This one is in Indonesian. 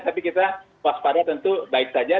tapi kita waspada tentu baik saja